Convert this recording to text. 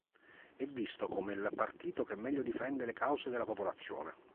È visto come il partito che meglio difende le cause della popolazione.